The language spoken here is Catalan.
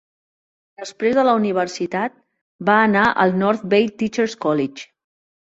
Després de la universitat, va anar al North Bay Teacher's College.